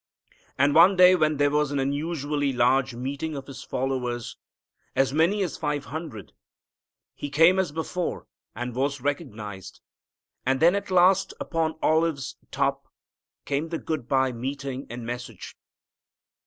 And one day when there was an unusually large meeting of His followers, as many as five hundred, He came as before and was recognized. And then at the last upon Olives' top came the goodbye meeting and message.